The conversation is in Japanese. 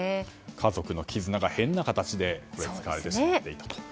家族の絆が変な形で使われてしまっていたと。